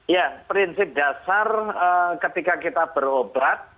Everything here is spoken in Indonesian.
ya prinsip dasar ketika kita berobat